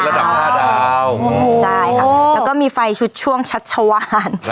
ระดับ๕ดาวใช่ค่ะแล้วก็มีไฟชุดช่วงชัชวาน